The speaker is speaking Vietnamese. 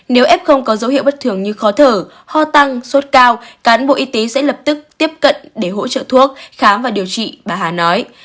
nếu f có dấu hiệu bất thường như khó thở ho tăng sốt cao cán bộ y tế sẽ lập tức tiếp cận để hỗ trợ thuốc khám và điều trị bà hà nói